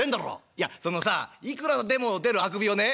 「いやそのさいくらでも出るあくびをね